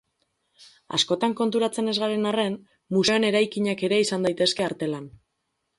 Askotan konturatzen ez garen arren, museoen erakinak ere izan daitezke artelan.